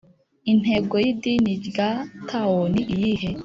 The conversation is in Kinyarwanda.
intego y’idini rya tao ni iyihe?